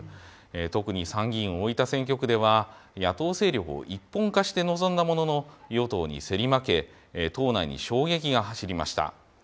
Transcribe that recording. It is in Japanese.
特に参議院大分選挙区では、野党勢力を一本化して臨んだものの、与党に競り負け、党内に衝撃が走りました。